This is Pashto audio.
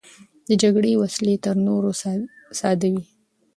د جګړې وسلې تر نورو ساده وې.